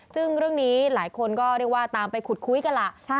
ซึ่งเรื่องนี้หลายคนก็เรียกว่าตามไปขุดคุยกันล่ะ